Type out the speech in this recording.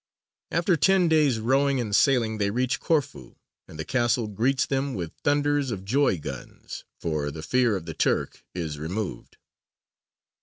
After ten days rowing and sailing they reach Corfu, and the castle greets them with thunders of joy guns, for the fear of the Turk is removed.